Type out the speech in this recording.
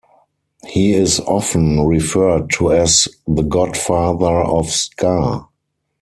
He is often referred to as the "Godfather of Ska".